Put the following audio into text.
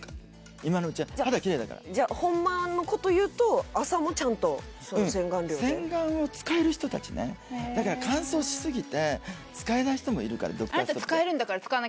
今のうちは肌がきれいだからじゃあホンマのこというと朝もちゃんと洗顔料で洗顔を使える人達ねだから乾燥しすぎて使えない人もいるからドクターストップで分かりました